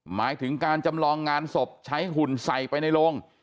หมายถึงการจำลองงานศพใช้หุ่นใส่ไปในโรง